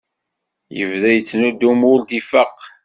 Yebda yettnudum ur d-ifaq